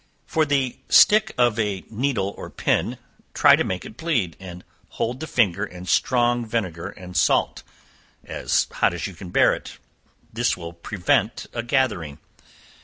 For the stick of a needle or pin, try to make it bleed, and hold the finger in strong vinegar and salt, as hot as you can bear it, this will prevent a gathering.